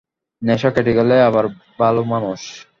নেশা কেটে গেলেই আবার ভালোমানুষ।